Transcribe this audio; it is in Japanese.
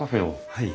はい。